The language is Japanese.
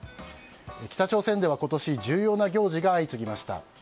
北朝鮮では今年重要な行事が相次ぎました。